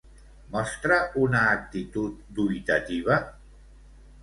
Mostra una actitud dubitativa?